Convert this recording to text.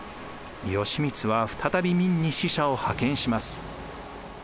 義満は再び明に使者を派遣します。